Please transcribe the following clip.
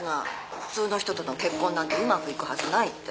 普通の人との結婚なんてうまくいくはずないって。